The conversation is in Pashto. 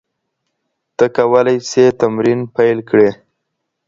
ته کولای شې تمرین پیل کړې.